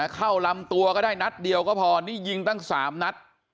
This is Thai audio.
เข้าลำตัวก็ได้นัดเดียวก็พอนี่ยิงตั้ง๓นัด